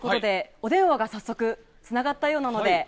お電話が早速つながったようなので。